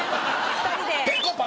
２人で。